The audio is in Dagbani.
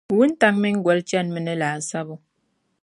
Wuntaŋ’ mini goli chanimi ni laasabu.